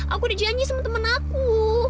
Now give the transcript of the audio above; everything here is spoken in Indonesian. aku udah janji sama temen aku